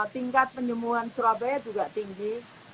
tingkat penyembuhan surabaya juga tinggi